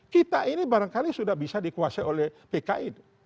kita ini barangkali sudah bisa dikuasai oleh pki itu